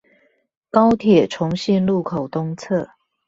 高鐵重信路口東側